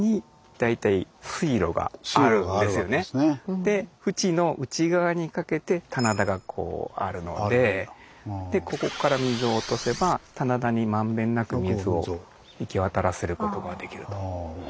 でフチの内側にかけて棚田がこうあるのでここから水を落とせば棚田にまんべんなく水を行き渡らせることができると。